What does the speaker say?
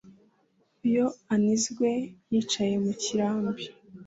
Iyo anizwe yicaye mu kirambi